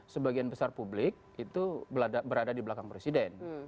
sebagian besar publik itu berada di belakang presiden